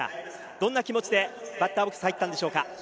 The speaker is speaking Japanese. どんな気持ちでバッターボックスに入ったんでしょうか。